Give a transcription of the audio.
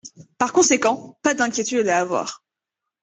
Par conséquent, pas d’inquiétude à avoir.